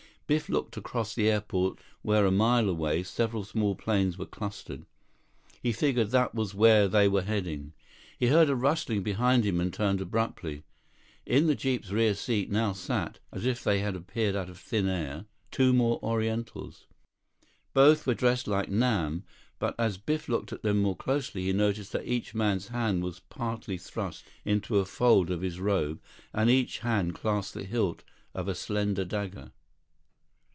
Biff looked across the airport where a mile away, several small planes were clustered. He figured that was where they were heading. He heard a rustling behind him and turned abruptly. In the jeep's rear seat now sat, as if they had appeared out of thin air, two more Orientals. Both were dressed like Nam. But, as Biff looked at them more closely, he noticed that each man's hand was partly thrust into a fold of his robe, and each hand clasped the hilt of a slender dagger.